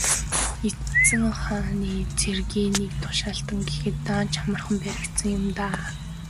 Эзэн хааны цэргийн нэг тушаалтан гэхэд даанч амархан баригдсан юм даа.